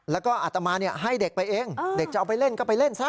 แล้วก็อัตมาให้เด็กไปเองเด็กจะเอาไปเล่นก็ไปเล่นซะ